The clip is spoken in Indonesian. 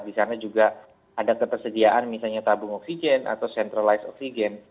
dan juga ada ketersediaan misalnya tabung oksigen atau centralized oksigen